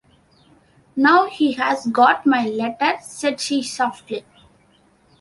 “Now he has got my letter,” said she softly.